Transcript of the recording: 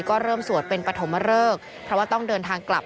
ก็เริ่มสวดเป็นปฐมเริกเพราะว่าต้องเดินทางกลับ